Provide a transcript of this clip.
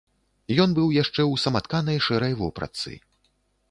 Ён быў яшчэ ў саматканай шэрай вопратцы.